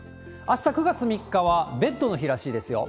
あした９月３日はベッドの日らしいですよ。